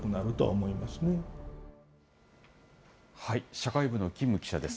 社会部の金記者です。